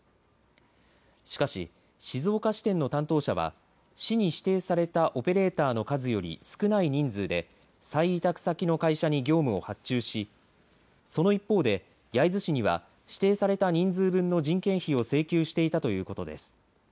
しかし、静岡支店の担当者は市に指定されたオペレーターの数より少ない人数で再委託先の会社に業務を発注しその一方で焼津市には指定された人数分の人件費を請求していたということです。